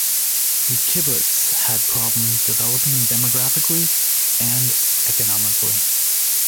The kibbutz had problems developing demographically and economically.